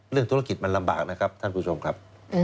เรื่องธุรกิจมันลำบากนะครับท่านผู้ชมครับ